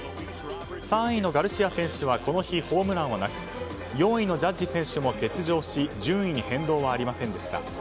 ３位のガルシア選手はこの日、ホームランはなく４位のジャッジ選手も欠場し順位に変動はありませんでした。